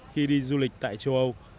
khi đi du lịch tại châu âu